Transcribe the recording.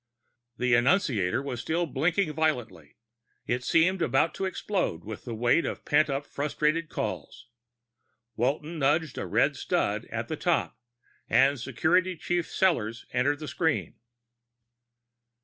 The annunciator was still blinking violently; it seemed about to explode with the weight of pent up, frustrated calls. Walton nudged a red stud at the top and Security Chief Sellors entered the screen.